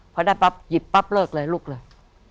พอได้ปั๊บหยิบปั๊บเลิกเลยลุกเลย